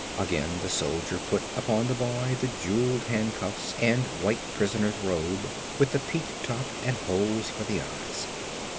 Again the soldier put upon the boy the jeweled handcuffs and white prisoner's robe with the peaked top and holes for the eyes.